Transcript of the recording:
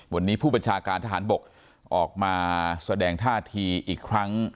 วันนี้ผู้บัญชาการทหารบกออกมาแสดงท่าทีอีกครั้ง